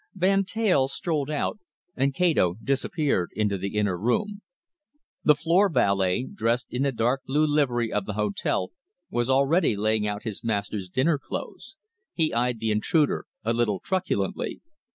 Van Teyl strolled out, and Kato disappeared into the inner room. The floor valet, dressed in the dark blue livery of the hotel, was already laying out his master's dinner clothes. He eyed the intruder a little truculently.